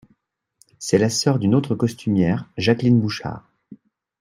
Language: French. C'est la sœur d'une autre costumière, Jacqueline Bouchard.